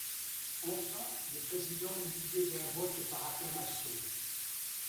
Enfin, le président eut l'idée d'un vote par acclamation.